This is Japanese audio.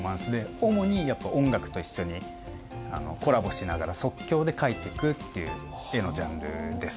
主に音楽と一緒にコラボしながら即興で描いてくっていう絵のジャンルです。